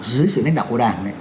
dưới sự lãnh đạo của đảng